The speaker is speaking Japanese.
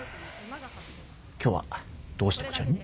今日はどうしてこちらに？